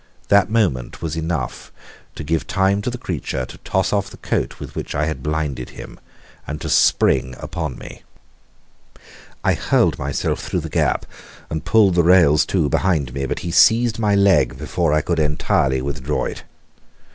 That moment was enough to give time to the creature to toss off the coat with which I had blinded him and to spring upon me. I hurled myself through the gap and pulled the rails to behind me, but he seized my leg before I could entirely withdraw it.